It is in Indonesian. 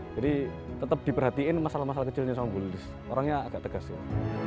jadi tetep diperhatiin masalah masalah kecilnya sama bu lilis orangnya agak tegas sih